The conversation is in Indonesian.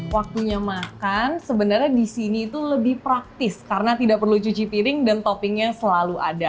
waktunya makan sebenarnya di sini itu lebih praktis karena tidak perlu cuci piring dan toppingnya selalu ada